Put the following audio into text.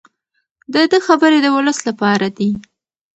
د ده خبرې د ولس لپاره دي.